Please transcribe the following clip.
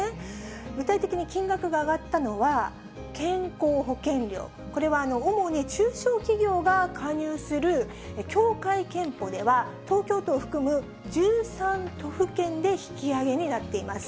具体的に金額が上がったのは、健康保険料、これは主に中小企業が加入する協会けんぽでは、東京都を含む１３都府県で引き上げになっています。